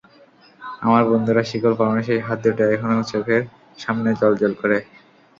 আমার বন্ধুর শিকল পরানো সেই হাত দুটো এখনো চোখের সামনে জ্বলজ্বল করে।